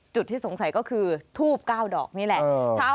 จุดที่สงสัยก็คือทูบ๙ดอกนี่แหละ